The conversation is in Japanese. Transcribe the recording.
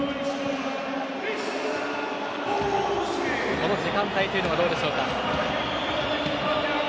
この時間帯というのはどうでしょうか。